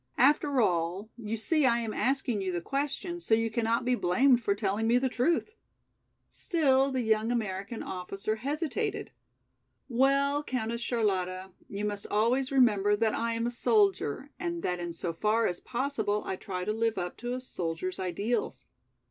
After all, you see I am asking you the question, so you cannot be blamed for telling me the truth." Still the young American officer hesitated. "Well, Countess Charlotta, you must always remember that I am a soldier, and that in so far as possible I try to live up to a soldier's ideals.